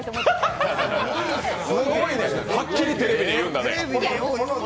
すごいね、はっきりテレビで言うんだね。